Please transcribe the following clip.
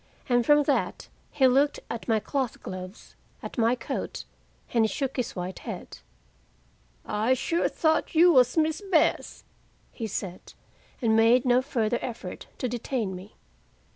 And from that he looked at my cloth gloves, at my coat, and he shook his white head. "I sure thought you was Miss Bess," he said, and made no further effort to detain me.